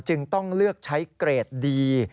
จึงต้องเลือกใช้เกรดดี